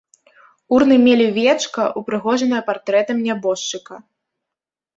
Урны мелі вечка, упрыгожанае партрэтам нябожчыка.